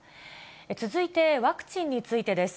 続いて、ワクチンについてです。